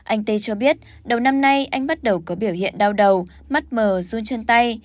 anh tê cho biết đầu năm nay anh bắt đầu có biểu hiện đau đầu mắt mờ run chân tay